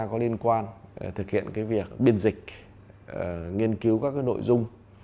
có liên quan thực hiện việc biên dịch nghiên cứu các nội dung